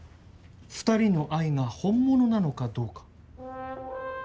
２人の愛が本物なのかどうか。